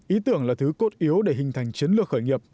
ý tưởng là thứ cốt yếu để hình thành chiến lược khởi nghiệp